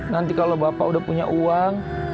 nanti kalau bapak udah punya uang